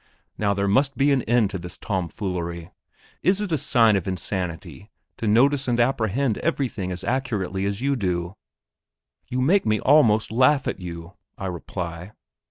Now, there must be an end to this tomfoolery. Is it a sign of insanity to notice and apprehend everything as accurately as you do? You make me almost laugh at you, I reply.